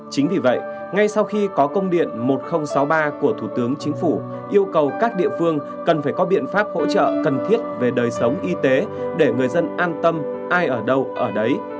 chính vì vậy ngay sau khi có công điện một nghìn sáu mươi ba của thủ tướng chính phủ yêu cầu các địa phương cần phải có biện pháp hỗ trợ cần thiết về đời sống y tế để người dân an tâm ai ở đâu ở đấy